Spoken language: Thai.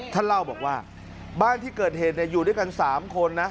ท่านเล่าบอกว่าบ้านที่เกิดเหตุอยู่ด้วยกัน๓คนนะ